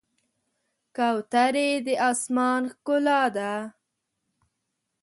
کوترې د آسمان ښکلا ده.